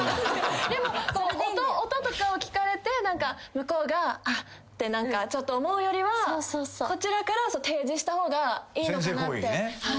でも音とかを聞かれて向こうが「あっ」って思うよりはこちらから提示した方がいいのかなって。